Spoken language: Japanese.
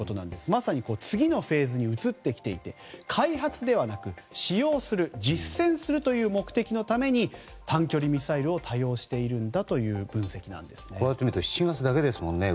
まさに次のフェーズに移ってきていて開発ではなく使用する実戦するという目的のために短距離ミサイルを多用しているんだという分析なんですね。